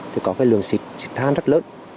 thì có cái lượng xịt than rất lớn